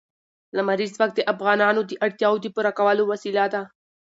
لمریز ځواک د افغانانو د اړتیاوو د پوره کولو وسیله ده.